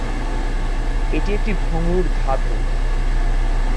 এটি একটি ভঙ্গুর ধাতু।